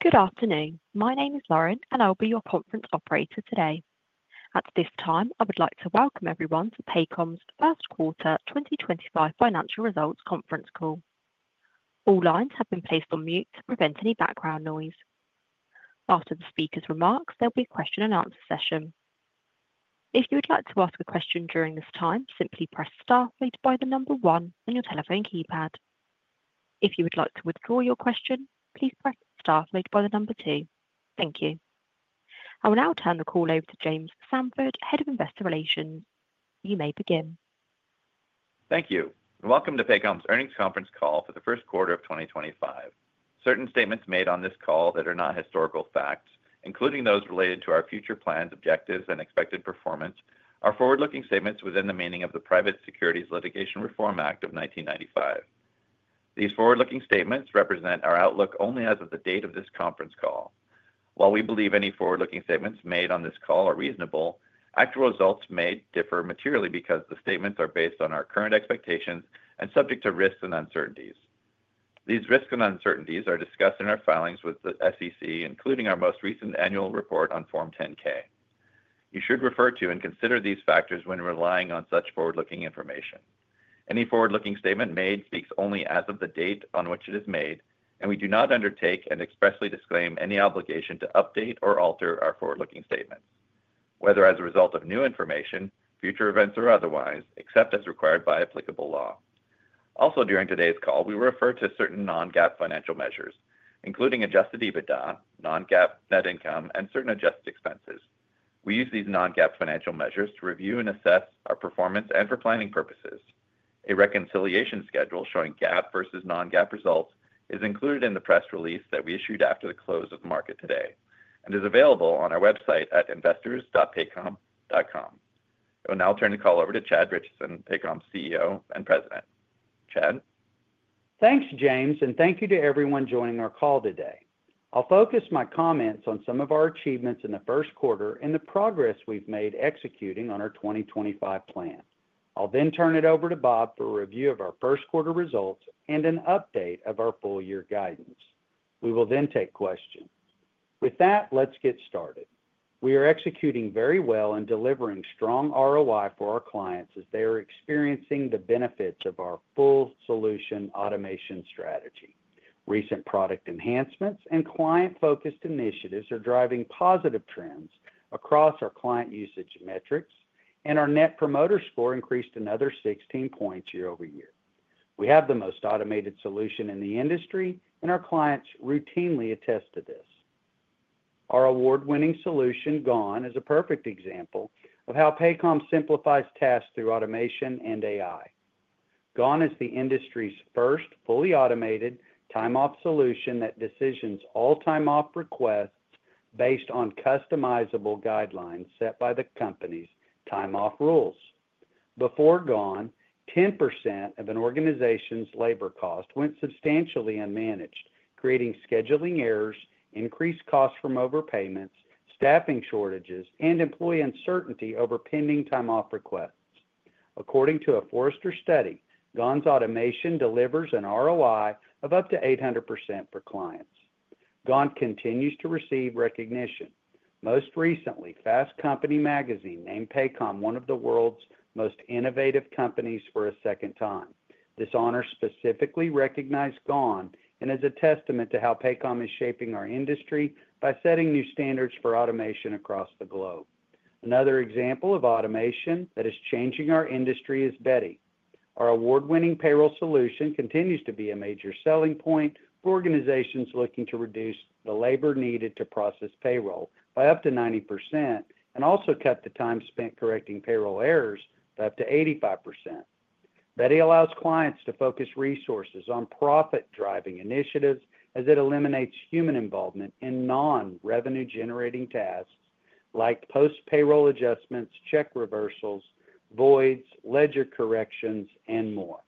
Good afternoon. My name is Lauren, and I'll be your conference operator today. At this time, I would like to welcome everyone to Paycom's First Quarter 2025 Financial Results Conference Call. All lines have been placed on mute to prevent any background noise. After the speaker's remarks, there'll be a question-and-answer session. If you would like to ask a question during this time, simply press Star by the number one on your telephone keypad. If you would like to withdraw your question, please press Star by the number two. Thank you. I will now turn the call over to James Samford, Head of Investor Relations. You may begin. Thank you. Welcome to Paycom's Earnings Conference Call for the First Quarter of 2025. Certain statements made on this call that are not historical facts, including those related to our future plans, objectives, and expected performance, are forward-looking statements within the meaning of the Private Securities Litigation Reform Act of 1995. These forward-looking statements represent our outlook only as of the date of this conference call. While we believe any forward-looking statements made on this call are reasonable, actual results may differ materially because the statements are based on our current expectations and subject to risks and uncertainties. These risks and uncertainties are discussed in our filings with the SEC, including our most recent annual report on Form 10-K. You should refer to and consider these factors when relying on such forward-looking information. Any forward-looking statement made speaks only as of the date on which it is made, and we do not undertake and expressly disclaim any obligation to update or alter our forward-looking statements, whether as a result of new information, future events, or otherwise, except as required by applicable law. Also, during today's call, we will refer to certain Non-GAAP financial measures, including Adjusted EBITDA, Non-GAAP net income, and certain adjusted expenses. We use these Non-GAAP financial measures to review and assess our performance and for planning purposes. A reconciliation schedule showing GAAP versus Non-GAAP results is included in the press release that we issued after the close of the market today and is available on our website at investors.paycom.com. I will now turn the call over to Chad Richison, Paycom CEO and President. Chad. Thanks, James, and thank you to everyone joining our call today. I'll focus my comments on some of our achievements in the first quarter and the progress we've made executing on our 2025 plan. I'll then turn it over to Bob for a review of our first quarter results and an update of our full-year guidance. We will then take questions. With that, let's get started. We are executing very well and delivering strong ROI for our clients as they are experiencing the benefits of our full-solution automation strategy. Recent product enhancements and client-focused initiatives are driving positive trends across our client usage metrics, and our Net Promoter Score increased another 16 points year-over-year. We have the most automated solution in the industry, and our clients routinely attest to this. Our award-winning solution, GONE, is a perfect example of how Paycom simplifies tasks through automation and AI. GONE is the industry's first fully automated time-off solution that decisions all time-off requests based on customizable guidelines set by the company's time-off rules. Before GONE, 10% of an organization's labor costs went substantially unmanaged, creating scheduling errors, increased costs from overpayments, staffing shortages, and employee uncertainty over pending time-off requests. According to a Forrester study, GONE's automation delivers an ROI of up to 800% for clients. GONE continues to receive recognition. Most recently, Fast Company Magazine named Paycom one of the world's most innovative companies for a second time. This honor specifically recognized GONE and is a testament to how Paycom is shaping our industry by setting new standards for automation across the globe. Another example of automation that is changing our industry is Beti. Our award-winning payroll solution continues to be a major selling point for organizations looking to reduce the labor needed to process payroll by up to 90% and also cut the time spent correcting payroll errors by up to 85%. Beti allows clients to focus resources on profit-driving initiatives as it eliminates human involvement in non-revenue-generating tasks like post-payroll adjustments, check reversals, voids, ledger corrections, and more.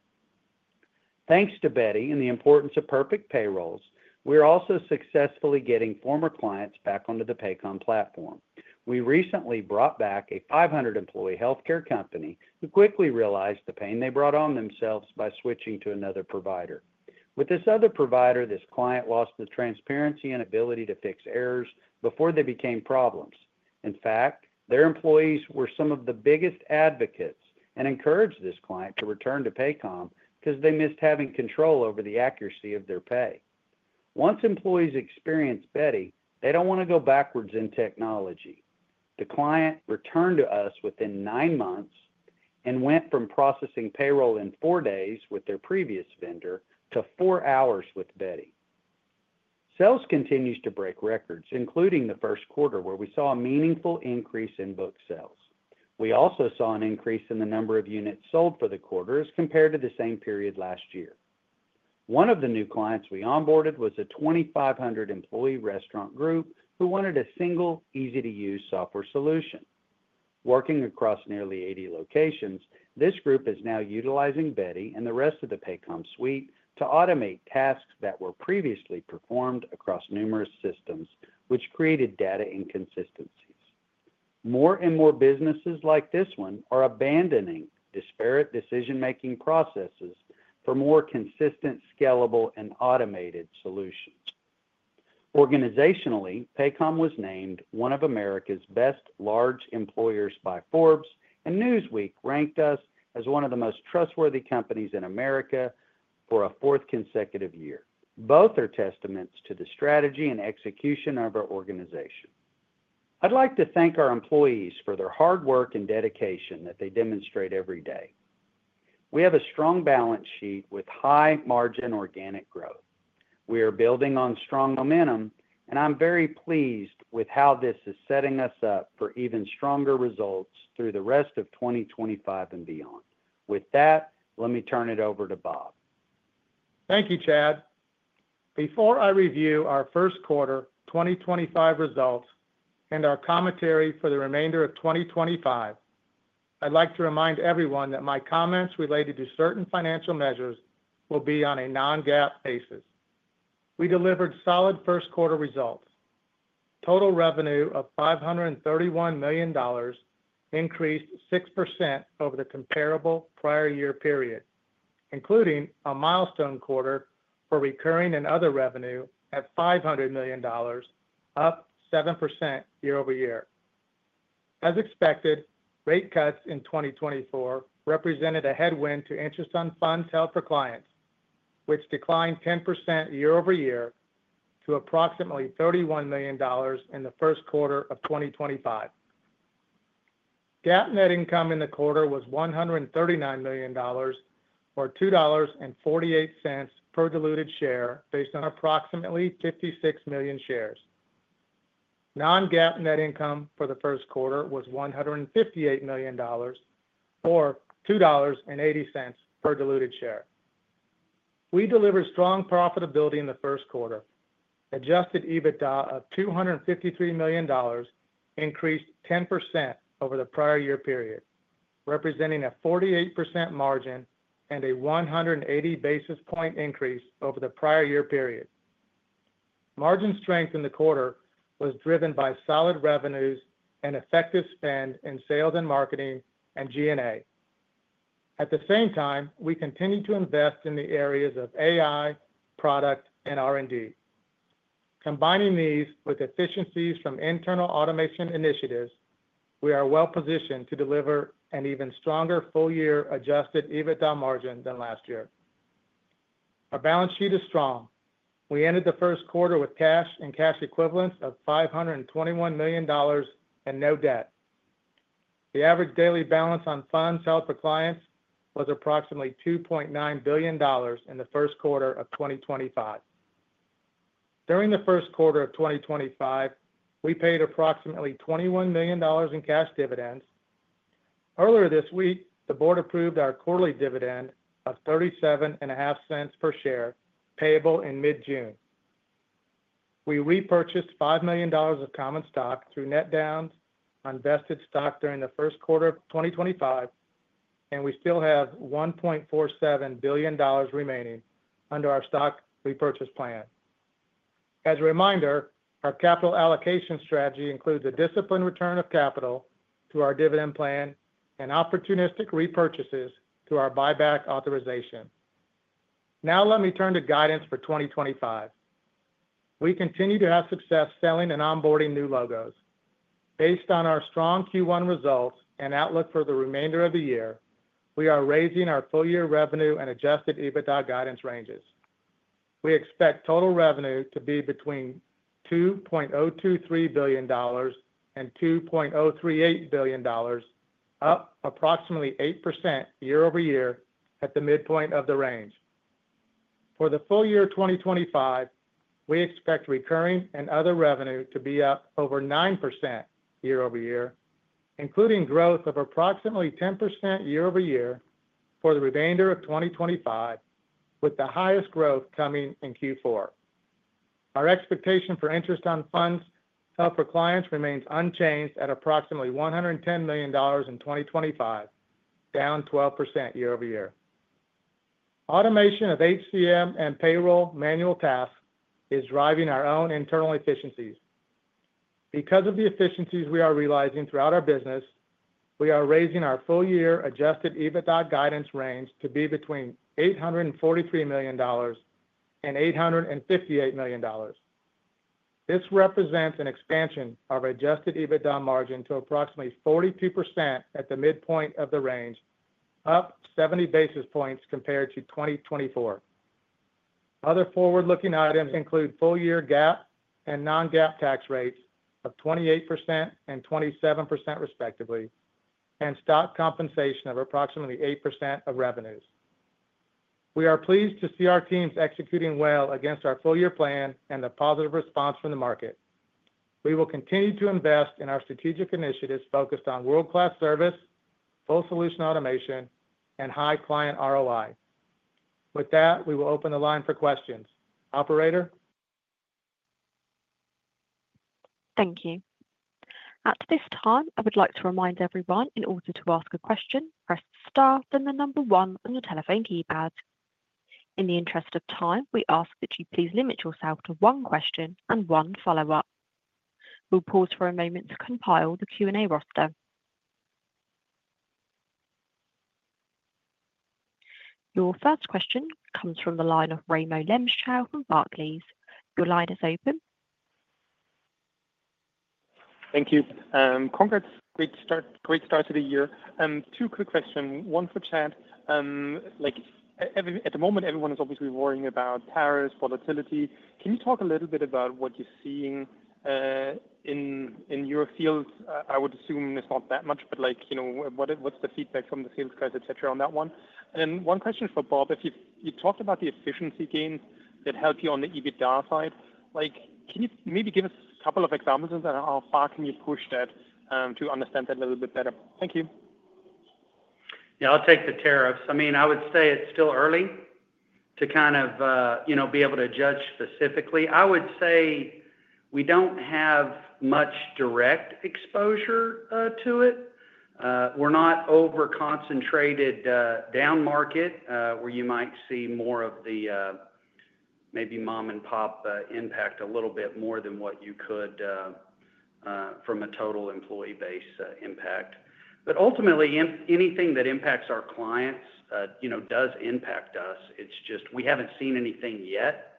Thanks to Beti and the importance of perfect payrolls, we are also successfully getting former clients back onto the Paycom platform. We recently brought back a 500-employee healthcare company who quickly realized the pain they brought on themselves by switching to another provider. With this other provider, this client lost the transparency and ability to fix errors before they became problems. In fact, their employees were some of the biggest advocates and encouraged this client to return to Paycom because they missed having control over the accuracy of their pay. Once employees experience Beti, they don't want to go backwards in technology. The client returned to us within nine months and went from processing payroll in four days with their previous vendor to four hours with Beti. Sales continues to break records, including the first quarter where we saw a meaningful increase in book sales. We also saw an increase in the number of units sold for the quarter as compared to the same period last year. One of the new clients we onboarded was a 2,500-employee restaurant group who wanted a single, easy-to-use software solution. Working across nearly 80 locations, this group is now utilizing Beti and the rest of the Paycom suite to automate tasks that were previously performed across numerous systems, which created data inconsistencies. More and more businesses like this one are abandoning disparate decision-making processes for more consistent, scalable, and automated solutions. Organizationally, Paycom was named one of America's best large employers by Forbes, and Newsweek ranked us as one of the most trustworthy companies in America for a fourth consecutive year. Both are testaments to the strategy and execution of our organization. I'd like to thank our employees for their hard work and dedication that they demonstrate every day. We have a strong balance sheet with high-margin organic growth. We are building on strong momentum, and I'm very pleased with how this is setting us up for even stronger results through the rest of 2025 and beyond. With that, let me turn it over to Bob. Thank you, Chad. Before I review our first quarter 2025 results and our commentary for the remainder of 2025, I'd like to remind everyone that my comments related to certain financial measures will be on a Non-GAAP basis. We delivered solid first-quarter results. Total revenue of $531 million increased 6% over the comparable prior year period, including a milestone quarter for recurring and other revenue at $500 million, up 7% year-over-year. As expected, rate cuts in 2024 represented a headwind to interest on funds held for clients, which declined 10% year-over-year to approximately $31 million in the first quarter of 2025. GAAP net income in the quarter was $139 million, or $2.48 per diluted share based on approximately 56 million shares. Non-GAAP net income for the first quarter was $158 million, or $2.80 per diluted share. We delivered strong profitability in the first quarter. Adjusted EBITDA of $253 million increased 10% over the prior year period, representing a 48% margin and a 180 basis point increase over the prior year period. Margin strength in the quarter was driven by solid revenues and effective spend in sales and marketing and G&A. At the same time, we continue to invest in the areas of AI, product, and R&D. Combining these with efficiencies from internal automation initiatives, we are well-positioned to deliver an even stronger full-year adjusted EBITDA margin than last year. Our balance sheet is strong. We ended the first quarter with cash and cash equivalents of $521 million and no debt. The average daily balance on funds held for clients was approximately $2.9 billion in the first quarter of 2025. During the first quarter of 2025, we paid approximately $21 million in cash dividends. Earlier this week, the board approved our quarterly dividend of $0.37 per share, payable in mid-June. We repurchased $5 million of common stock through net-downs on vested stock during the first quarter of 2025, and we still have $1.47 billion remaining under our stock repurchase plan. As a reminder, our capital allocation strategy includes a disciplined return of capital through our dividend plan and opportunistic repurchases through our buyback authorization. Now, let me turn to guidance for 2025. We continue to have success selling and onboarding new logos. Based on our strong Q1 results and outlook for the remainder of the year, we are raising our full-year revenue and Adjusted EBITDA guidance ranges. We expect total revenue to be between $2.023 and 2.038 billion, up approximately 8% year-over-year at the midpoint of the range. For the full year 2025, we expect recurring and other revenue to be up over 9% year-over-year, including growth of approximately 10% year-over-year for the remainder of 2025, with the highest growth coming in Q4. Our expectation for interest on funds held for clients remains unchanged at approximately $110 million in 2025, down 12% year-over-year. Automation of HCM and payroll manual tasks is driving our own internal efficiencies. Because of the efficiencies we are realizing throughout our business, we are raising our full-year adjusted EBITDA guidance range to be between $843 and 858 million. This represents an expansion of adjusted EBITDA margin to approximately 42% at the midpoint of the range, up 70 basis points compared to 2024. Other forward-looking items include full-year GAAP and non-GAAP tax rates of 28% and 27%, respectively, and stock compensation of approximately 8% of revenues. We are pleased to see our teams executing well against our full-year plan and the positive response from the market. We will continue to invest in our strategic initiatives focused on world-class service, full-solution automation, and high client ROI. With that, we will open the line for questions. Operator. Thank you. At this time, I would like to remind everyone in order to ask a question, press Star then the number one on your telephone keypad. In the interest of time, we ask that you please limit yourself to one question and one follow-up. We'll pause for a moment to compile the Q&A roster. Your first question comes from the line of Raimo Lenschow from Barclays. Your line is open. Thank you. Congrats. Great start to the year. Two quick questions. One for Chad. At the moment, everyone is obviously worrying about tariffs, volatility. Can you talk a little bit about what you're seeing in your fields? I would assume it's not that much, but what's the feedback from the sales guys, et cetera, on that one? And one question for Bob. You've talked about the efficiency gains that help you on the EBITDA side. Can you maybe give us a couple of examples of how far can you push that to understand that a little bit better? Thank you. Yeah, I'll take the tariffs. I mean, I would say it's still early to kind of be able to judge specifically. I would say we don't have much direct exposure to it. We're not over-concentrated down market where you might see more of the maybe mom-and-pop impact a little bit more than what you could from a total employee base impact. But ultimately, anything that impacts our clients does impact us. It's just we haven't seen anything yet,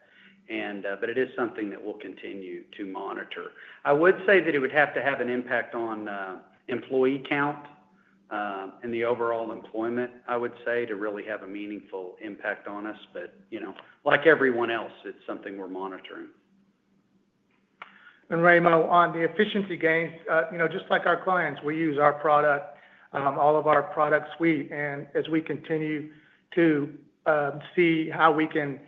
but it is something that we'll continue to monitor. I would say that it would have to have an impact on employee count and the overall employment, I would say, to really have a meaningful impact on us. But like everyone else, it's something we're monitoring. And, Raimo, on the efficiency gains, just like our clients, we use our product, all of our product suite. And as we continue to see how we can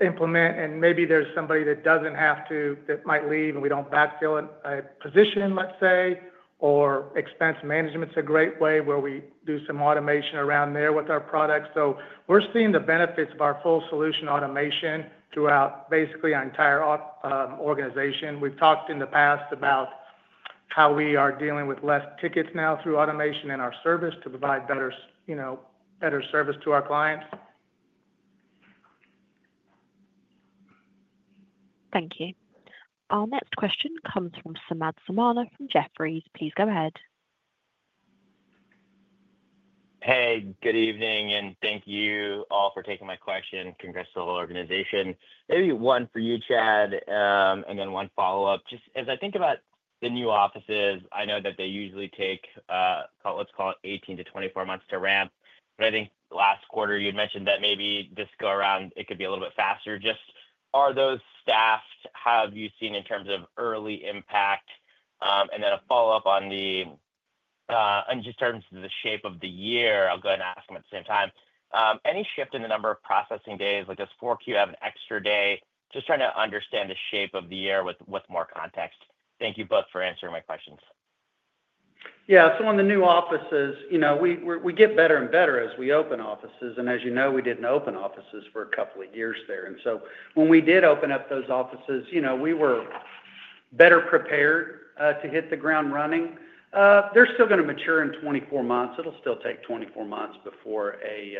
implement, and maybe there's somebody that doesn't have to, that might leave and we don't backfill a position, let's say, or expense management's a great way where we do some automation around there with our product. So we're seeing the benefits of our full-solution automation throughout basically our entire organization. We've talked in the past about how we are dealing with less tickets now through automation in our service to provide better service to our clients. Thank you. Our next question comes from Samad Samana from Jefferies. Please go ahead. Hey, good evening, and thank you all for taking my question. Congrats to the whole organization. Maybe one for you, Chad, and then one follow-up. Just as I think about the new offices, I know that they usually take, let's call it, 18-24 months to ramp. But I think last quarter, you had mentioned that maybe this go around, it could be a little bit faster. Just are those staffed, have you seen in terms of early impact? And then a follow-up on the in terms of the shape of the year, I'll go ahead and ask them at the same time. Any shift in the number of processing days? Does 4Q have an extra day? Just trying to understand the shape of the year with more context. Thank you both for answering my questions. Yeah, so on the new offices, we get better and better as we open offices. And as you know, we didn't open offices for a couple of years there. And so when we did open up those offices, we were better prepared to hit the ground running. They're still going to mature in 24 months. It'll still take 24 months before a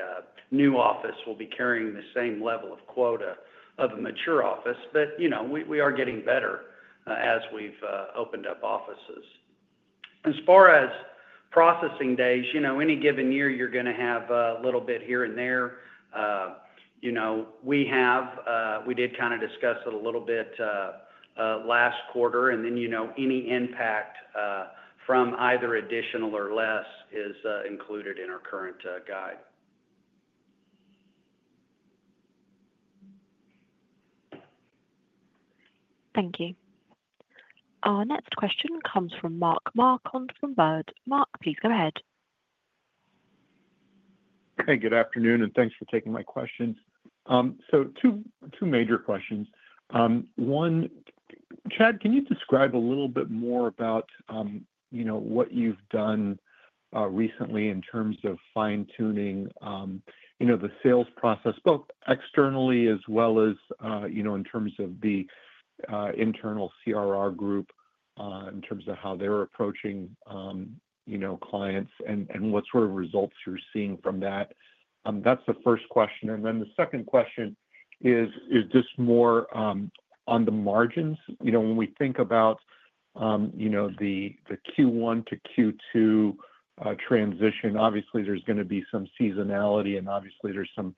new office will be carrying the same level of quota of a mature office. But we are getting better as we've opened up offices. As far as processing days, any given year, you're going to have a little bit here and there. We did kind of discuss it a little bit last quarter. And then any impact from either additional or less is included in our current guide. Thank you. Our next question comes from Mark Marcon from Baird. Mark, please go ahead. Hey, good afternoon, and thanks for taking my questions. So two major questions. One, Chad, can you describe a little bit more about what you've done recently in terms of fine-tuning the sales process, both externally as well as in terms of the internal CRR group, in terms of how they're approaching clients and what sort of results you're seeing from that? That's the first question. And then the second question is, is this more on the margins? When we think about the Q1 to Q2 transition, obviously, there's going to be some seasonality, and obviously, there's some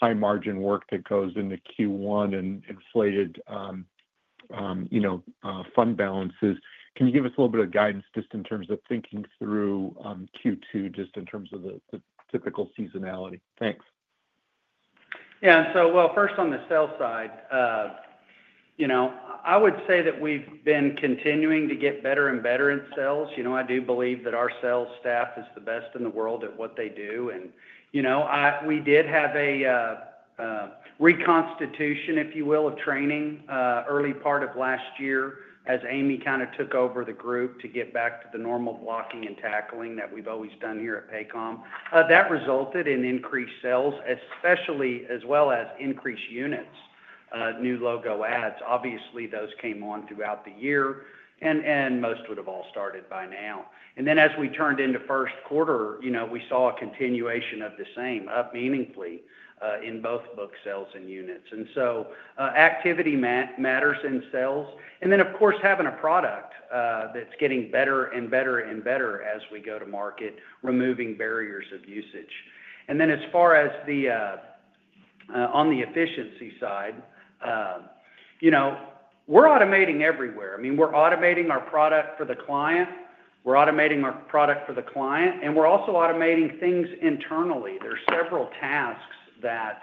high-margin work that goes into Q1 and inflated fund balances. Can you give us a little bit of guidance just in terms of thinking through Q2, just in terms of the typical seasonality? Thanks. Yeah. So, well, first on the sales side, I would say that we've been continuing to get better and better at sales. I do believe that our sales staff is the best in the world at what they do. We did have a reconstitution, if you will, of training early part of last year as Amy kind of took over the group to get back to the normal blocking and tackling that we've always done here at Paycom. That resulted in increased sales, especially as well as increased units, new logo adds. Obviously, those came on throughout the year, and most would have all started by now. Then as we turned into first quarter, we saw a continuation of the same, up meaningfully in both book sales and units. Activity matters in sales. Of course, having a product that's getting better and better and better as we go to market, removing barriers of usage. Then as far as on the efficiency side, we're automating everywhere. I mean, we're automating our product for the client. We're automating our product for the client, and we're also automating things internally. There are several tasks that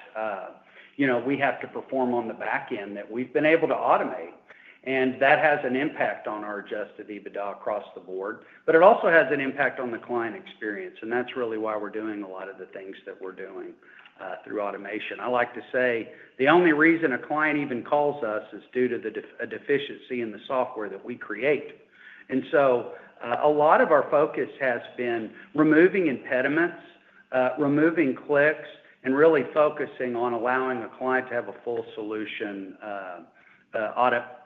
we have to perform on the back end that we've been able to automate. And that has an impact on our Adjusted EBITDA across the board. But it also has an impact on the client experience. And that's really why we're doing a lot of the things that we're doing through automation. I like to say the only reason a client even calls us is due to a deficiency in the software that we create. And so a lot of our focus has been removing impediments, removing clicks, and really focusing on allowing a client to have a full-solution,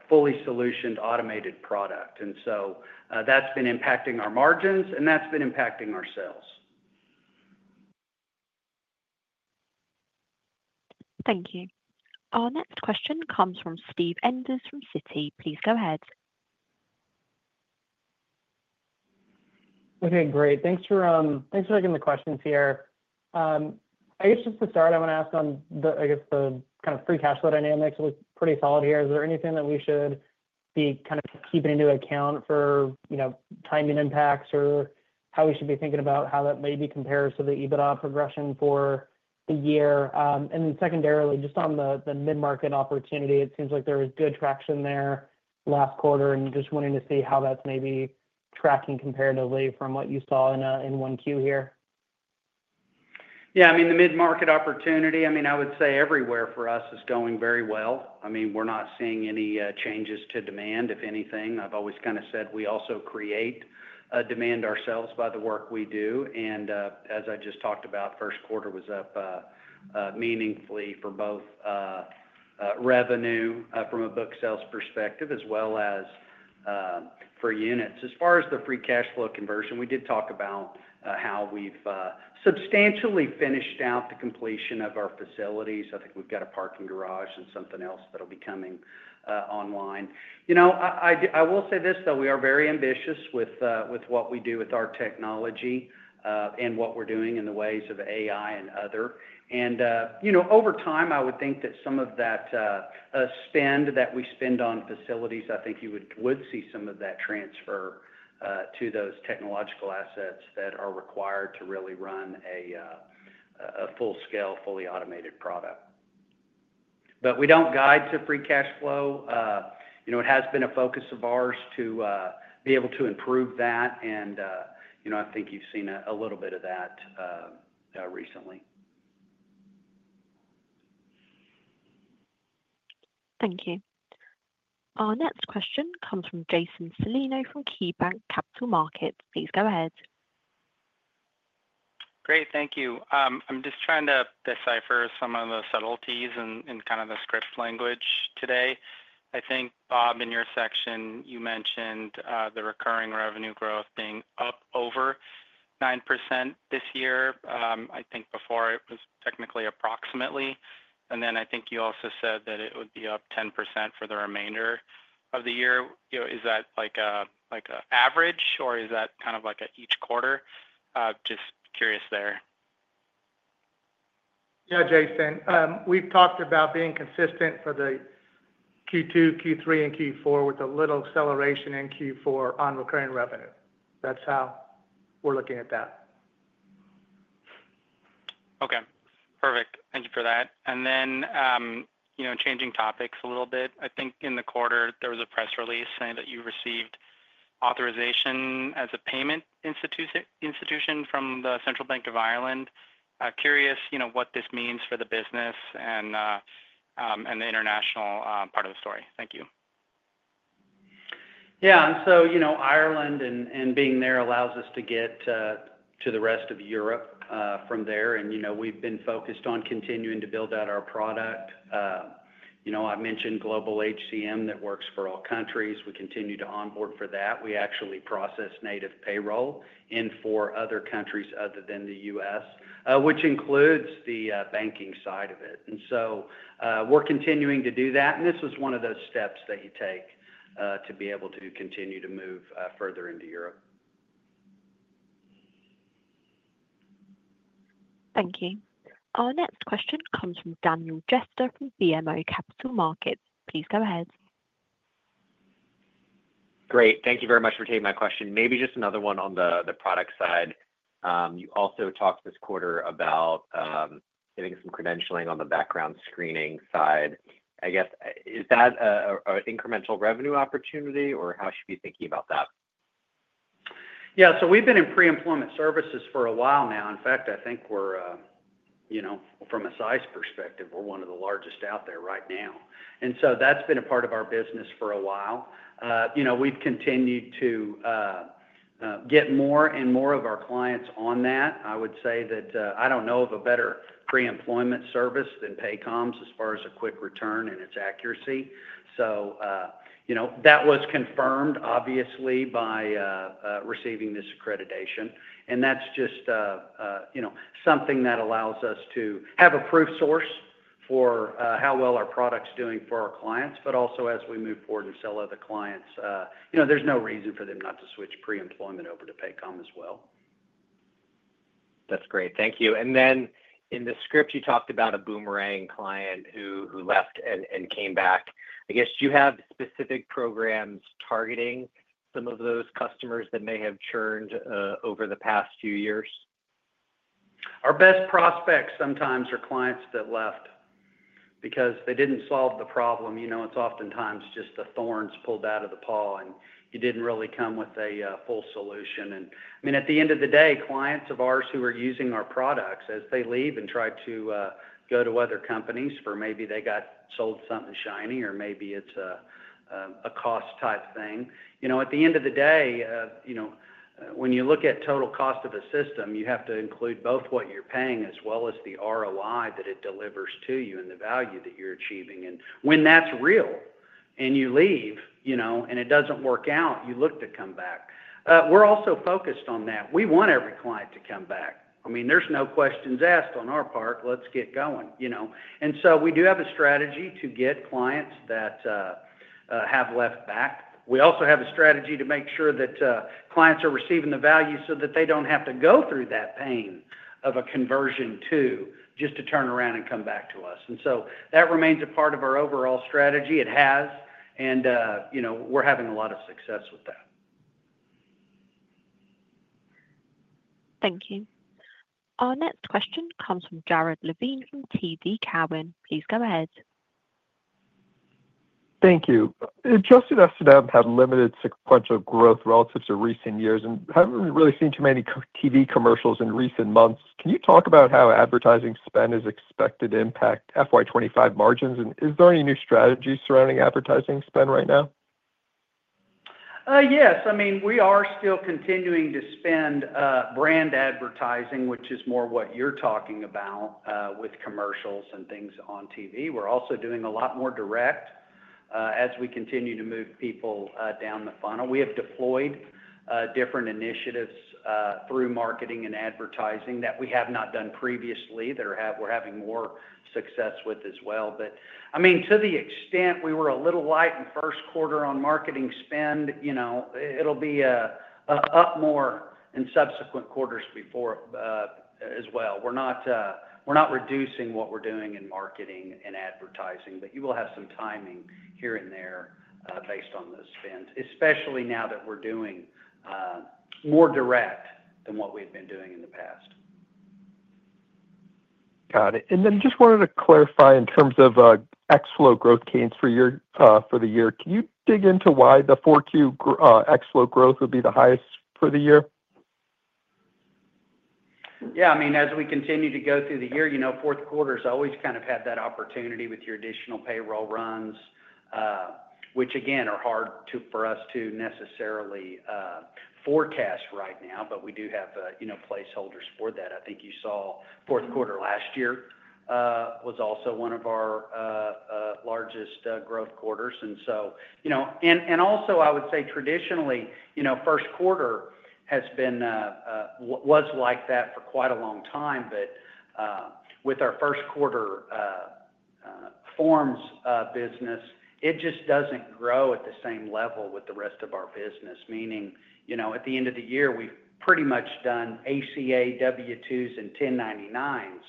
fully-solutioned automated product. And so that's been impacting our margins, and that's been impacting our sales. Thank you. Our next question comes from Steve Enders from Citi. Please go ahead. Okay, great. Thanks for taking the questions here. I guess just to start, I want to ask on the, I guess, the kind of free cash flow dynamics look pretty solid here. Is there anything that we should be kind of taking into account for timing impacts or how we should be thinking about how that maybe compares to the EBITDA progression for the year? And then secondarily, just on the mid-market opportunity, it seems like there was good traction there last quarter, and just wanting to see how that's maybe tracking comparatively from what you saw in 1Q here. Yeah. I mean, the mid-market opportunity, I mean, I would say everywhere for us is going very well. I mean, we're not seeing any changes to demand, if anything. I've always kind of said we also create demand ourselves by the work we do. And as I just talked about, first quarter was up meaningfully for both revenue from a book sales perspective as well as for units. As far as the free cash flow conversion, we did talk about how we've substantially finished out the completion of our facilities. I think we've got a parking garage and something else that'll be coming online. I will say this, though. We are very ambitious with what we do with our technology and what we're doing in the ways of AI and other. Over time, I would think that some of that spend that we spend on facilities. I think you would see some of that transfer to those technological assets that are required to really run a full-scale, fully automated product. We don't guide to free cash flow. It has been a focus of ours to be able to improve that. I think you've seen a little bit of that recently. Thank you. Our next question comes from Jason Celino from KeyBanc Capital Markets. Please go ahead. Great. Thank you. I'm just trying to decipher some of the subtleties in kind of the script language today. I think, Bob, in your section, you mentioned the recurring revenue growth being up over 9% this year. I think before it was technically approximately. And then I think you also said that it would be up 10% for the remainder of the year. Is that like an average, or is that kind of like each quarter? Just curious there. Yeah, Jason. We've talked about being consistent for the Q2, Q3, and Q4 with a little acceleration in Q4 on recurring revenue. That's how we're looking at that. Okay. Perfect. Thank you for that, and then changing topics a little bit. I think in the quarter, there was a press release saying that you received authorization as a payment institution from the Central Bank of Ireland. Curious what this means for the business and the international part of the story? Thank you. Yeah, and so Ireland and being there allows us to get to the rest of Europe from there, and we've been focused on continuing to build out our product. I mentioned Global HCM that works for all countries. We continue to onboard for that. We actually process native payroll in four other countries other than the U.S., which includes the banking side of it, and so we're continuing to do that, and this was one of those steps that you take to be able to continue to move further into Europe. Thank you. Our next question comes from Daniel Jester from BMO Capital Markets. Please go ahead. Great. Thank you very much for taking my question. Maybe just another one on the product side. You also talked this quarter about getting some credentialing on the background screening side. I guess, is that an incremental revenue opportunity, or how should we be thinking about that? Yeah. So we've been in pre-employment services for a while now. In fact, I think from a size perspective, we're one of the largest out there right now. And so that's been a part of our business for a while. We've continued to get more and more of our clients on that. I would say that I don't know of a better pre-employment service than Paycom's as far as a quick return and its accuracy. So that was confirmed, obviously, by receiving this accreditation. And that's just something that allows us to have a proof source for how well our product's doing for our clients, but also as we move forward and sell other clients, there's no reason for them not to switch pre-employment over to Paycom as well. That's great. Thank you. And then in the script, you talked about a boomerang client who left and came back. I guess, do you have specific programs targeting some of those customers that may have churned over the past few years? Our best prospects sometimes are clients that left because they didn't solve the problem. It's oftentimes just the thorns pulled out of the paw, and you didn't really come with a full solution. And I mean, at the end of the day, clients of ours who are using our products, as they leave and try to go to other companies for maybe they got sold something shiny, or maybe it's a cost-type thing. At the end of the day, when you look at total cost of a system, you have to include both what you're paying as well as the ROI that it delivers to you and the value that you're achieving. And when that's real and you leave and it doesn't work out, you look to come back. We're also focused on that. We want every client to come back. I mean, there's no questions asked on our part. Let's get going, and so we do have a strategy to get clients that have left back. We also have a strategy to make sure that clients are receiving the value so that they don't have to go through that pain of a conversion just to turn around and come back to us, and so that remains a part of our overall strategy. It has, and we're having a lot of success with that. Thank you. Our next question comes from Jared Levine from TD Cowen. Please go ahead. Thank you. It just suggested you've had limited sequential growth relative to recent years, and haven't really seen too many TV commercials in recent months. Can you talk about how advertising spend is expected to impact FY25 margins? And is there any new strategy surrounding advertising spend right now? Yes. I mean, we are still continuing to spend brand advertising, which is more what you're talking about with commercials and things on TV. We're also doing a lot more direct as we continue to move people down the funnel. We have deployed different initiatives through marketing and advertising that we have not done previously that we're having more success with as well. But I mean, to the extent we were a little light in first quarter on marketing spend, it'll be up more in subsequent quarters before as well. We're not reducing what we're doing in marketing and advertising, but you will have some timing here and there based on those spends, especially now that we're doing more direct than what we've been doing in the past. Got it. And then just wanted to clarify in terms of ExFlow growth gains for the year. Can you dig into why the 4Q ExFlow growth would be the highest for the year? Yeah. I mean, as we continue to go through the year, fourth quarter has always kind of had that opportunity with your additional payroll runs, which again, are hard for us to necessarily forecast right now, but we do have placeholders for that. I think you saw fourth quarter last year was also one of our largest growth quarters. And also, I would say traditionally, first quarter was like that for quite a long time. But with our first quarter forms business, it just doesn't grow at the same level with the rest of our business. Meaning, at the end of the year, we've pretty much done ACA, W-2s, and 1099s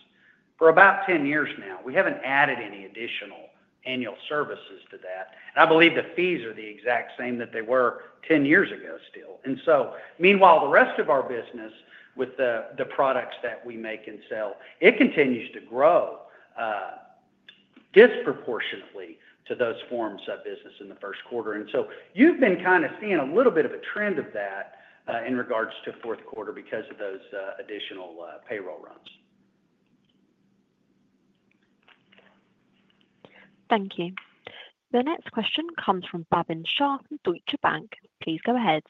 for about 10 years now. We haven't added any additional annual services to that. And I believe the fees are the exact same that they were 10 years ago still. And so meanwhile, the rest of our business with the products that we make and sell, it continues to grow disproportionately to those forms of business in the first quarter. And so you've been kind of seeing a little bit of a trend of that in regards to fourth quarter because of those additional payroll runs. Thank you. The next question comes from Bhavin Shah from Deutsche Bank. Please go ahead.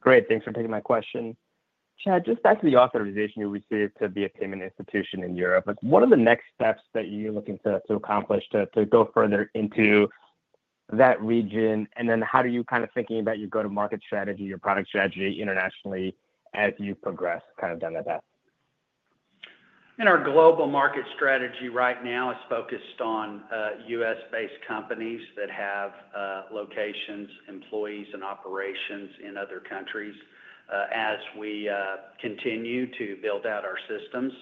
Great. Thanks for taking my question. Chad, just back to the authorization you received to be a payment institution in Europe. What are the next steps that you're looking to accomplish to go further into that region? And then how do you kind of think about your go-to-market strategy, your product strategy internationally as you progress kind of down that path? And our global market strategy right now is focused on U.S.-based companies that have locations, employees, and operations in other countries as we continue to build out our systems.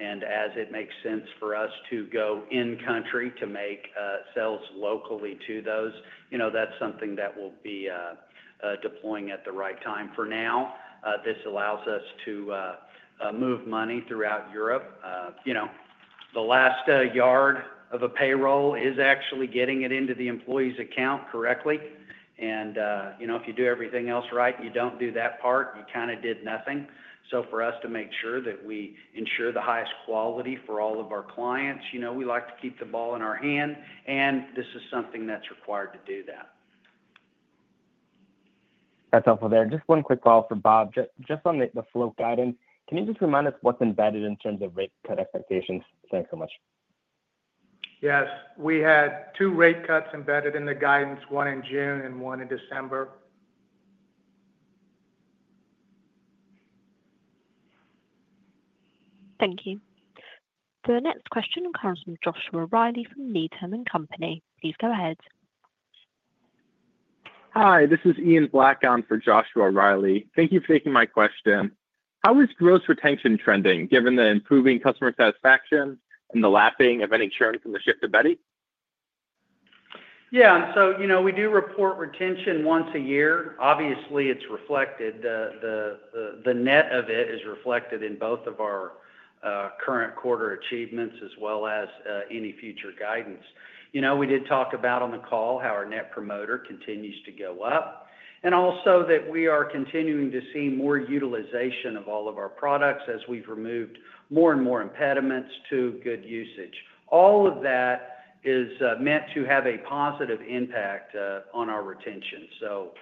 And as it makes sense for us to go in-country to make sales locally to those, that's something that we'll be deploying at the right time. For now, this allows us to move money throughout Europe. The last yard of a payroll is actually getting it into the employee's account correctly. And if you do everything else right, you don't do that part, you kind of did nothing. So for us to make sure that we ensure the highest quality for all of our clients, we like to keep the ball in our hand. And this is something that's required to do that. That's helpful there. Just one quick call for Bob. Just on the flow guidance, can you just remind us what's embedded in terms of rate cut expectations? Thanks so much. Yes. We had two rate cuts embedded in the guidance, one in June and one in December. Thank you. The next question comes from Joshua Reilly from Needham & Company. Please go ahead. Hi. This is Ian Black on for Joshua Reilly. Thank you for taking my question. How is gross retention trending given the improving customer satisfaction and the lapping of any churn from the shift to Beti? Yeah. So we do report retention once a year. Obviously, it's reflected. The net of it is reflected in both of our current quarter achievements as well as any future guidance. We did talk about, on the call, how our net promoter continues to go up. And also that we are continuing to see more utilization of all of our products as we've removed more and more impediments to good usage. All of that is meant to have a positive impact on our retention. So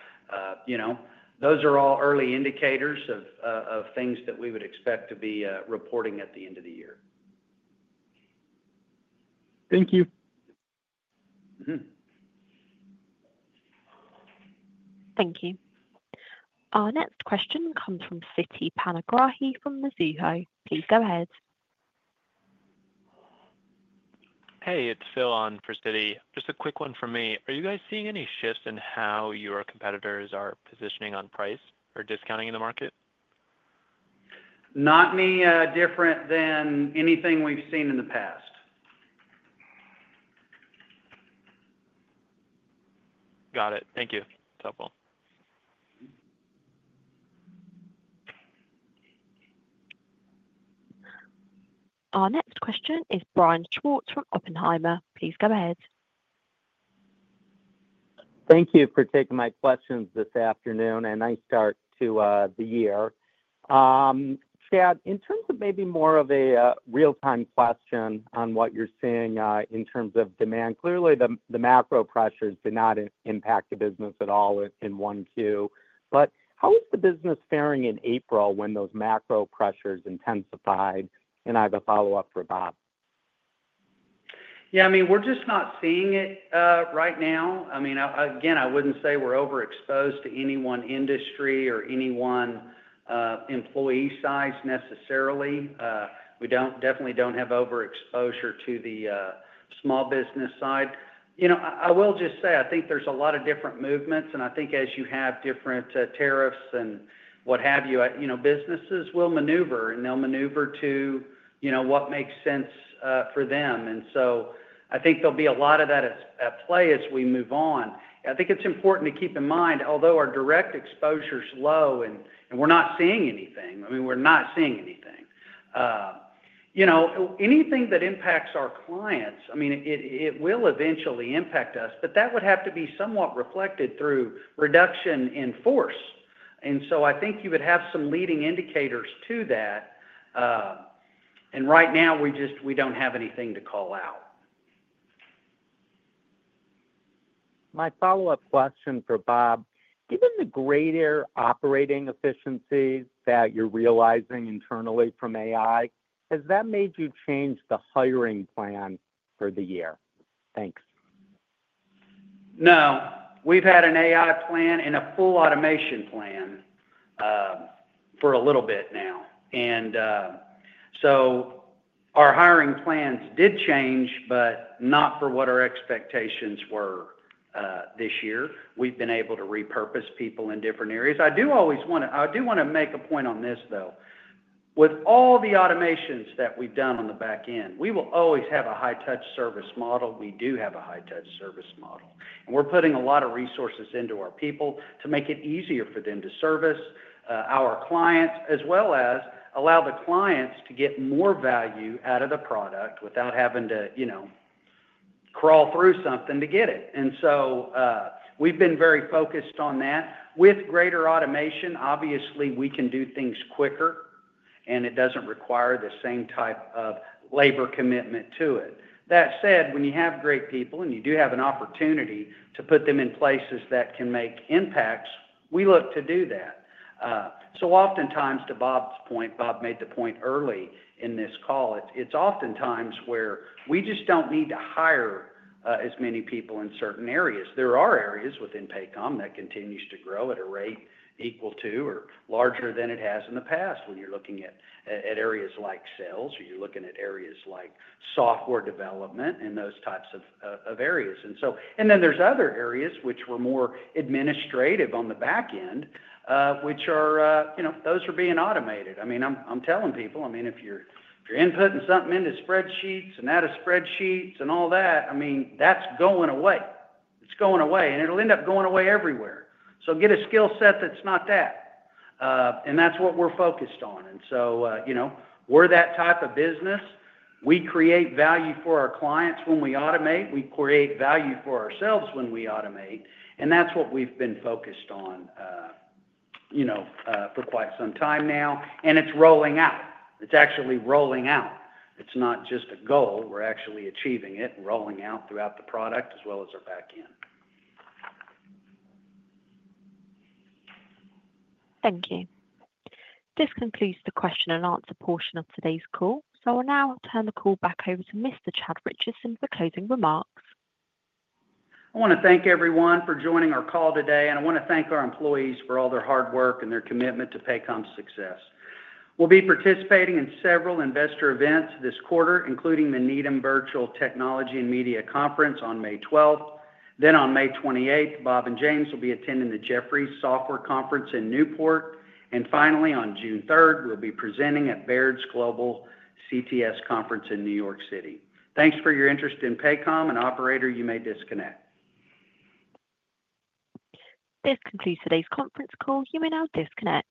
those are all early indicators of things that we would expect to be reporting at the end of the year. Thank you. Thank you. Our next question comes from Siti Panigrahi from Mizuho. Please go ahead. Hey, it's Phil on for Citi. Just a quick one for me. Are you guys seeing any shifts in how your competitors are positioning on price or discounting in the market? Not any different than anything we've seen in the past. Got it. Thank you. It's helpful. Our next question is Brian Schwartz from Oppenheimer. Please go ahead. Thank you for taking my questions this afternoon and nice start to the year. Chad, in terms of maybe more of a real-time question on what you're seeing in terms of demand, clearly the macro pressures did not impact the business at all in 1Q. But how is the business faring in April when those macro pressures intensified? And I have a follow-up for Bob. Yeah. I mean, we're just not seeing it right now. I mean, again, I wouldn't say we're overexposed to any one industry or any one employee size necessarily. We definitely don't have overexposure to the small business side. I will just say I think there's a lot of different movements, and I think as you have different tariffs and what have you, businesses will maneuver, and they'll maneuver to what makes sense for them, and so I think there'll be a lot of that at play as we move on. I think it's important to keep in mind, although our direct exposure is low and we're not seeing anything, I mean, we're not seeing anything. Anything that impacts our clients, I mean, it will eventually impact us, but that would have to be somewhat reflected through reduction in force. And so I think you would have some leading indicators to that. And right now, we don't have anything to call out. My follow-up question for Bob: Given the greater operating efficiencies that you're realizing internally from AI, has that made you change the hiring plan for the year? Thanks. No. We've had an AI plan and a full automation plan for a little bit now, and so our hiring plans did change, but not for what our expectations were this year. We've been able to repurpose people in different areas. I do want to make a point on this, though. With all the automations that we've done on the back end, we will always have a high-touch service model. We do have a high-touch service model, and we're putting a lot of resources into our people to make it easier for them to service our clients, as well as allow the clients to get more value out of the product without having to crawl through something to get it, and so we've been very focused on that. With greater automation, obviously, we can do things quicker, and it doesn't require the same type of labor commitment to it. That said, when you have great people and you do have an opportunity to put them in places that can make impacts, we look to do that. So oftentimes, to Bob's point, Bob made the point early in this call, it's oftentimes where we just don't need to hire as many people in certain areas. There are areas within Paycom that continues to grow at a rate equal to or larger than it has in the past when you're looking at areas like sales, or you're looking at areas like software development and those types of areas. And then there's other areas which were more administrative on the back end, which are being automated. I mean, I'm telling people, I mean, if you're inputting something into spreadsheets and out of spreadsheets and all that, I mean, that's going away. It's going away, and it'll end up going away everywhere. So get a skill set that's not that. And that's what we're focused on. And so we're that type of business. We create value for our clients when we automate. We create value for ourselves when we automate. And that's what we've been focused on for quite some time now. And it's rolling out. It's actually rolling out. It's not just a goal. We're actually achieving it and rolling out throughout the product as well as our back end. Thank you. This concludes the question and answer portion of today's call. So now I'll turn the call back over to Mr. Chad Richison for closing remarks. I want to thank everyone for joining our call today, and I want to thank our employees for all their hard work and their commitment to Paycom's success. We'll be participating in several investor events this quarter, including the Needham Virtual Technology and Media Conference on May 12th, then on May 28th, Bob and James will be attending the Jefferies Software Conference in Newport, and finally, on June 3rd, we'll be presenting at Baird's Global CTS Conference in New York City. Thanks for your interest in Paycom, and operator, you may disconnect. This concludes today's conference call. You may now disconnect.